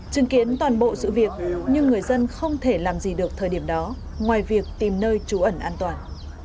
chứng kiến toàn bộ sự việc nhưng người dân không thể làm gì được thời điểm đó ngoài việc tìm nơi trú ẩn an toàn